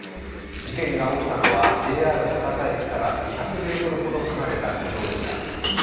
事件が起きたのはＪＲ博多駅から２００ｍほど離れた路上でした。